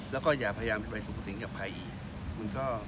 แล้วก็อย่าพยายามจะไปสูงสิงกับใครอีก